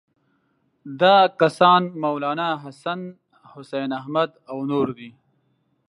دا کسان مولناحسن، حسین احمد او نور دي.